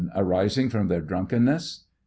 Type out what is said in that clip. Q. Arising from their drunkenness ? A.